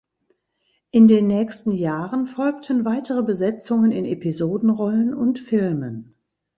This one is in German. In den nächsten Jahren folgten weitere Besetzungen in Episodenrollen und Filmen.